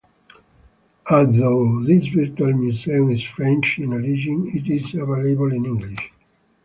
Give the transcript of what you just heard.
Although this virtual museum is French in origin, it is available in English.